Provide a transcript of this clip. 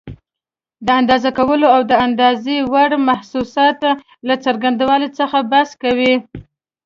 د اندازه کولو او د اندازې وړ محسوساتو له څرنګوالي څخه بحث کوي.